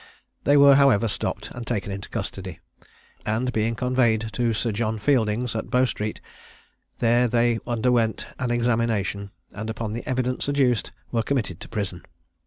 They were, however, stopped, and taken into custody, and being conveyed to Sir John Fielding's, at Bow street, they there underwent an examination, and upon the evidence adduced, were committed to prison.